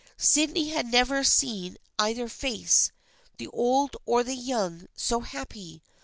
Sydney had never seen either face, the old or the young, so happy.